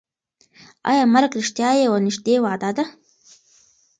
ایا مرګ رښتیا یوه نږدې وعده ده؟